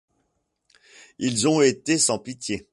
Ils ont été sans pitié!